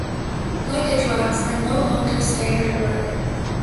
Luggage racks are no longer standard order.